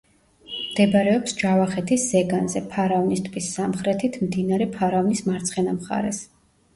მდებარეობს ჯავახეთის ზეგანზე, ფარავნის ტბის სამხრეთით, მდინარე ფარავნის მარცხენა მხარეს.